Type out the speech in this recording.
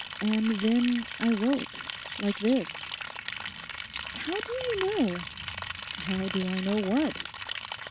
And then I woke; like this.' 'How do you know?' 'How do I know what?